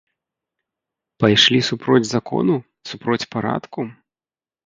Пайшлі супроць закону, супроць парадку?